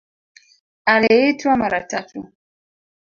Aliitwa mara tatu